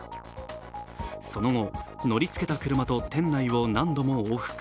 その後、乗りつけた車と店内を何度も往復。